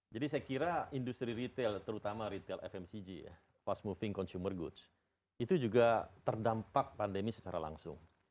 jadi saya kira industri retail terutama retail fmcg fast moving consumer goods itu juga terdampak pandemi secara langsung